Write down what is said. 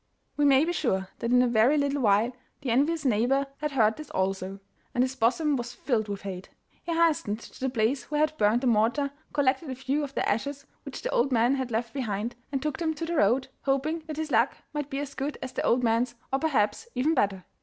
We may be sure that in a very little while the envious neighbour had heard this also, and his bosom was filled with hate. He hastened to the place where he had burned the mortar, collected a few of the ashes which the old man had left behind, and took them to the road, hoping that his luck might be as good as the old man's, or perhaps even better.